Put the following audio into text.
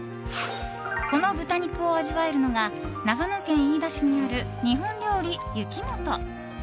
この豚肉を味わえるのが長野県飯田市にある日本料理柚木元。